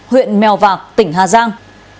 huyện mèo vạc tỉnh hà giang